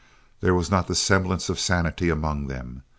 There was not the semblance of sanity among them.